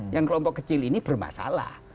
yang kelompok kecil ini bermasalah